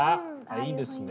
いいですね。